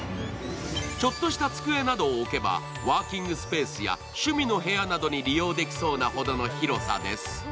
ちょっとした机などを置けばワーキングスペースや趣味の部屋などに利用できそうなほどの広さです。